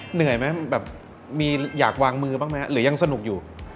เหนื่อยไหมแบบมีอยากวางมือบ้างไหมหรือยังสนุกอยู่